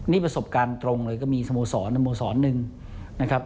นี่ประสบการณ์ตรงเลยก็มีสโมสรสโมสรหนึ่งนะครับ